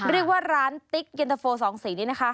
เรียกว่าร้านติ๊กเย็นตะโฟสองสีนี้นะคะ